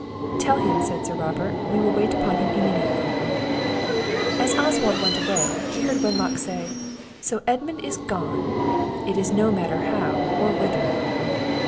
"Tell him," said Sir Robert, "we will wait upon him immediately." As Oswald went away, he heard Wenlock say, "So Edmund is gone, it is no matter how, or whither."